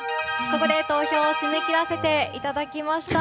ここで投票を締め切らせていただきました。